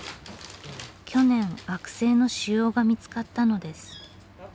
去年悪性の腫瘍が見つかったのです。